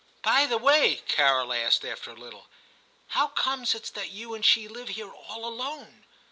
' By the way/ Carol asked, after a little, ' how comes it that you and she live here all alone